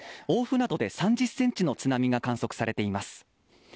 大船渡で３０センチの津波が観測されています。